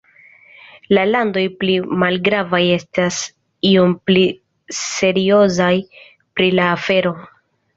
La landoj pli malgravaj estas iom pli seriozaj pri la afero.